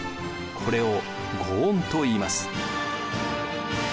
これを御恩といいます。